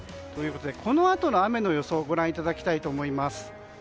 このあとの雨の予想をご覧いただきたいと思います。